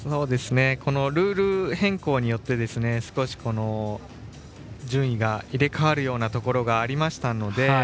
このルール変更によって少し順位が入れ替わるようなところがありましたので。